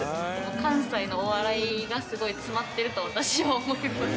関西のお笑いがすごい詰まってると、私は思います。